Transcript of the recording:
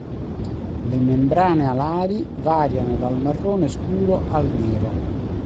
Le membrane alari variano dal marrone scuro al nero.